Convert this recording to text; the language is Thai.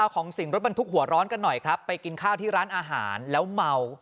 ของสิ่งรถบรรทุกหัวร้อนกันหน่อยครับไปกินข้าวที่ร้านอาหารแล้วเมา